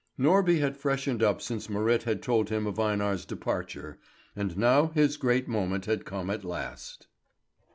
Norby had freshened up since Marit had told him of Einar's departure; and now his great moment had come at last.